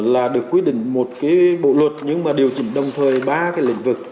là được quyết định một bộ luật nhưng mà điều chỉnh đồng thời ba lĩnh vực